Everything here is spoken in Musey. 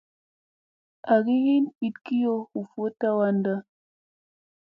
Agi hin vit kiyo hu votta wan da.